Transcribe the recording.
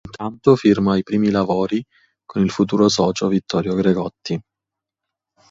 Intanto firma i primi lavori con il futuro socio Vittorio Gregotti.